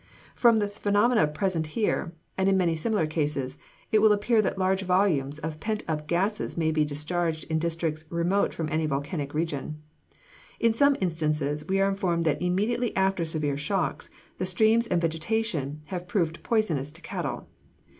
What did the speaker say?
From the phenomena present here, and in many similar cases, it will appear that large volumes of pent up [Illustration: SCENE AT CHARLESTON.] gases may be discharged in districts remote from any volcanic region. In some instances, we are informed that immediately after severe shocks, the streams and vegetation have proved poisonous to cattle.